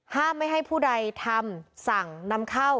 ห้ามไม่ให้ผู้ใดทำสั่งนำเข้า